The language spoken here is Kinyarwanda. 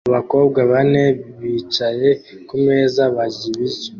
Abakobwa bane bicaye kumeza barya ibiryo